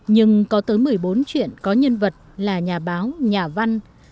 nhưng có tới một mươi bốn chuyện có nhân vật là nhà báo nhà văn